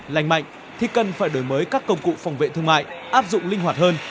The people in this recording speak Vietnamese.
lành mạnh thì cần phải đổi mới các công cụ phòng vệ thương mại áp dụng linh hoạt hơn